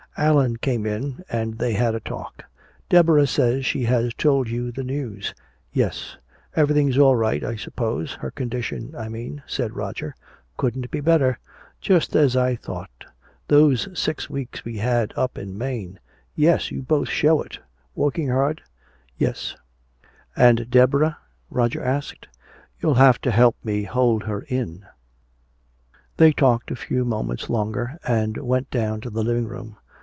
Allan came in and they had a talk. "Deborah says she has told you the news." "Yes. Everything's all right, I suppose her condition, I mean," said Roger. "Couldn't be better." "Just as I thought." "Those six weeks we had up in Maine " "Yes, you both show it. Working hard?" "Yes " "And Deborah?" Roger asked. "You'll have to help me hold her in." They talked a few moments longer and went down to the living room.